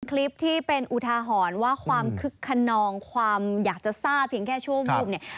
คลิปที่เป็นอุทาหรณ์ว่าความคึกขนองความอยากจะทราบเพียงแค่ชั่ววูบเนี่ย